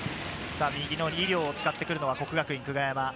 右の井料を使ってくるのは國學院久我山。